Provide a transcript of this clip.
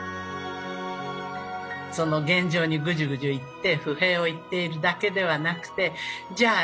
その現状にぐじゅぐじゅ言って不平を言っているだけではなくてじゃあ